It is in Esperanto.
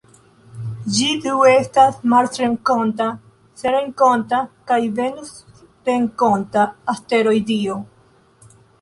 Ĝi do estas marsrenkonta, terrenkonta kaj venusrenkonta asteroido.